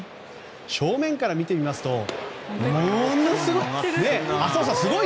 正面から見てみますとものすごい！